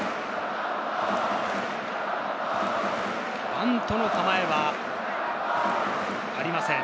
バントの構えは、ありません。